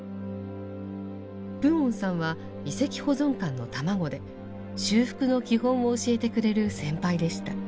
プオンさんは遺跡保存官の卵で修復の基本を教えてくれる先輩でした。